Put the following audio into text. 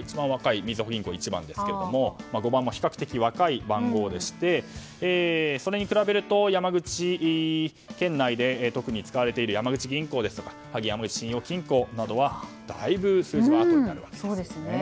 一番若いのはみずほ銀行ですが５番も比較的若い番号でしてそれに比べると山口県内で特に使われている山口銀行や萩山口信用金庫などはだいぶ数字があとになります。